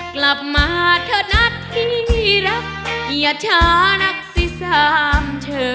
กลับมาเธอนัดพี่รักอย่าช้านักศิษฐาน